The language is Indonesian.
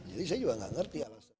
jadi saya juga nggak ngerti alasan